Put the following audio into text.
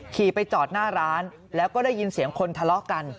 ขี่ไปจอดหน้าร้านแล้วก็ได้ยินเสียงคนทะเลาะกัน